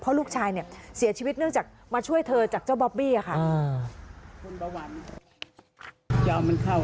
เพราะลูกชายเนี่ยเสียชีวิตเนื่องจากมาช่วยเธอจากเจ้าบอบบี้ค่ะ